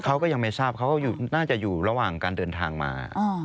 เขาก็ยังไม่ทราบเขาน่าจะอยู่ระหว่างการเดินทางมา